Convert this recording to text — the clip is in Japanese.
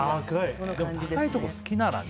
高いところ好きならね。